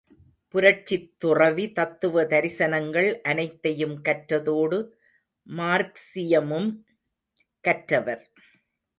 புரட்சித்துறவி தத்துவ தரிசனங்கள் அனைத்தையும் கற்றதோடு மார்க்சியமும் கற்றவர்.